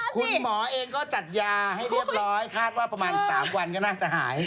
คุณหมอเองก็จัดยาให้เรียบร้อยคาดว่าประมาณ๓วันก็น่าจะหาย